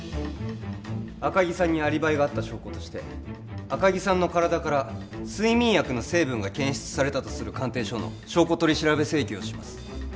赤木さんにアリバイがあった証拠として赤木さんの体から睡眠薬の成分が検出されたとする鑑定書の証拠取調べ請求をします